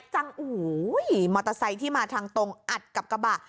จังโอ้โหมอเตอร์ไซค์ที่มาทางตรงอัดกับกระบะ